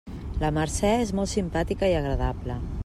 La Mercè és molt simpàtica i agradable.